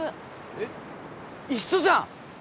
えっ？一緒じゃん！